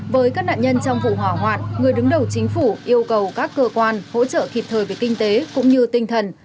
với các nạn nhân trong vụ hỏa hoạt người đứng đầu chính phủ yêu cầu các cơ quan hỗ trợ kịp thời về kinh tế cũng như tinh thần